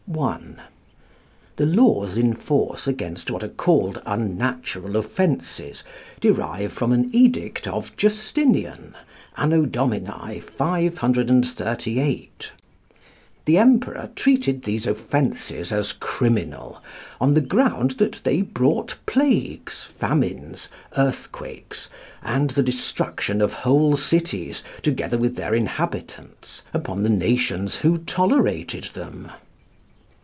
I. The laws in force against what are called unnatural offences derive from an edict of Justinian, A.D. 538. The Emperor treated these offences as criminal, on the ground that they brought plagues, famines, earthquakes, and the destruction of whole cities, together with their inhabitants, upon the nations who tolerated them.